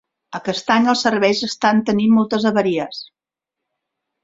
Aquest any els serveis estan tenint moltes avaries.